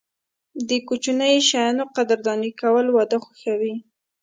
د کوچنیو شیانو قدرداني کول، واده خوښوي.